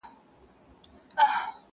• خدای ورکړي دوه زامن په یوه شپه وه..